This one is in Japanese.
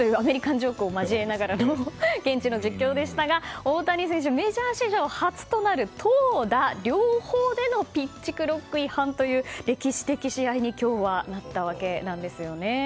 ジョークを交えながらの現地の実況でしたが、大谷選手はメジャー史上初となる投打両方でのピッチクロック違反という歴史的試合に今日はなったわけなんです。